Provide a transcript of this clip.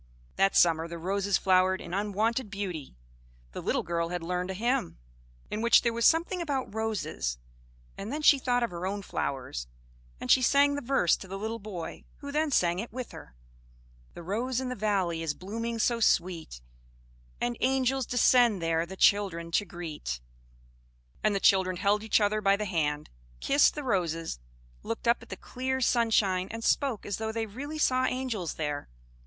That summer the roses flowered in unwonted beauty. The little girl had learned a hymn, in which there was something about roses; and then she thought of her own flowers; and she sang the verse to the little boy, who then sang it with her: "The rose in the valley is blooming so sweet, And angels descend there the children to greet." And the children held each other by the hand, kissed the roses, looked up at the clear sunshine, and spoke as though they really saw angels there.